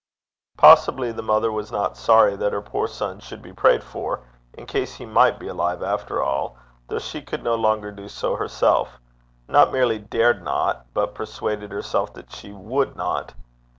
Possibly the mother was not sorry that her poor son should be prayed for, in case he might be alive after all, though she could no longer do so herself not merely dared not, but persuaded herself that she would not.